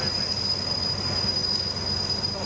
เอาแล้วจับแล้วจับแล้ว